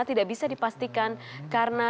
tidak bisa dipastikan karena